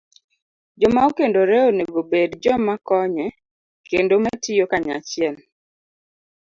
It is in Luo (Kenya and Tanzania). Joma okendore onego obed joma konye kendo ma tiyo kanyachiel